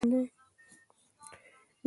یا دا د خير خانې سټیشن دی.